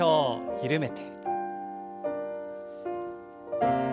緩めて。